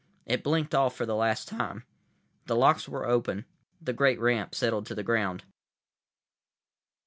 It blinked off for the last time. The locks were open. The great ramp settled to the ground.